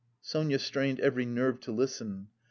Sonia strained every nerve to listen.